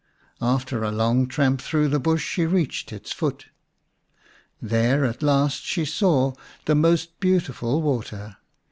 After a long tramp through the bush she reached its foot. There at last she saw the most beautiful water.